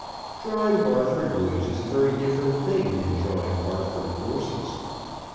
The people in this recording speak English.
Drawing Barford Woods is a very different thing than drawing Barford Gorses.